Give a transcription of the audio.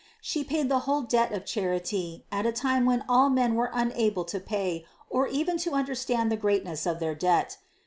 She paid the whole debt of charity at a time when all men were unable to pay or even to understand the greatness of their debt.